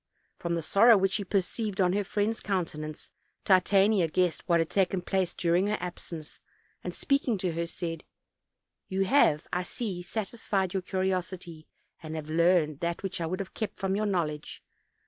From the sorrow which she perceived on her friend's countenance, Titania guessed what had taken place during her absence; and speaking to her said: "You have, I see, satisfied yonr curiosity; and have learned that which I would have kept from your knowledge.